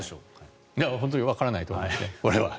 本当にこれはわからないと思います。